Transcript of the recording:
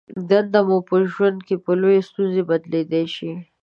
دنده مو په ژوند کې په لویې ستونزه بدلېدای شي.